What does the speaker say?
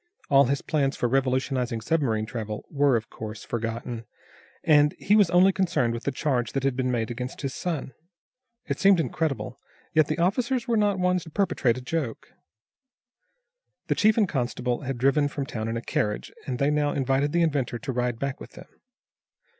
All his plans for revolutionizing submarine travel, were, of course, forgotten, and he was only concerned with the charge that had been made against his son. It seemed incredible, yet the officers were not ones to perpetrate a joke. The chief and constable had driven from town in a carriage, and they now invited the inventor to ride back with them.